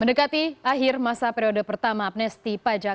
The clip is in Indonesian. mendekati akhir masa periode pertama amnesti pajak